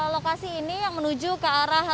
lokasi ini yang menuju ke arah